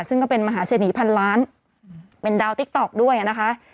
ซึ่งก็เป็นมหาเสนีพันล้านเป็นดาวติ๊กต๊อกด้วยนะคะ